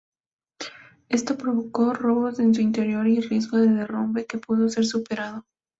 Esto provocó robos en su interior y riesgo de derrumbe que pudo ser superado.